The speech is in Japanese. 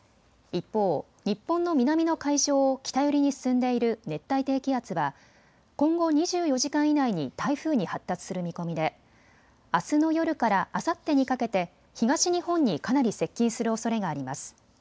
一方、日本の南の海上を北寄りに進んでいる熱帯低気圧は今後２４時間以内に台風に発達する見込みであすの夜からあさってにかけて東日本にかなり接近するおそれがあります。